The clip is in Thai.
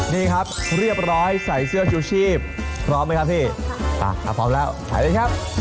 นี่ครับเรียบร้อยใส่เสื้อชูชีพพร้อมไหมครับพี่